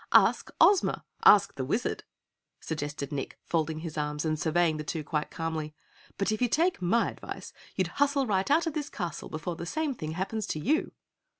"Ask Ozma! Ask the Wizard!" suggested Nick, folding his arms and surveying the two quite calmly. "But if you take my advice, you'll hustle right out of this castle before the same thing happens to YOU!"